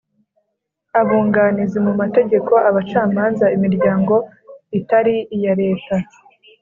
Abunganizi mu Mategeko Abacamanza Imiryango itari iya Leta